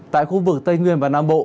tại khu vực tây nguyên và nam bộ